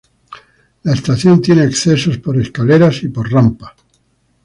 La estación tiene accesos por escaleras y por rampa.